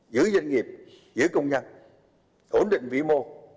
giữ doanh nghiệp giữ công nhân ổn định vĩ mô